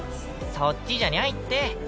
そっちじゃにゃいって。